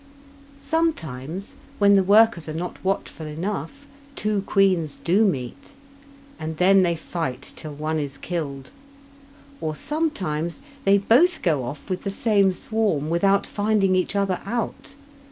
Sometimes, when the workers are not watchful enough, two queens do meet, and then they fight till one is killed; or sometimes they both go off with the same swarm without finding each other out.